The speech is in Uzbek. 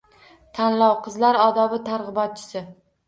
Tanlov: “Qizlar odobi targ‘ibotchisi”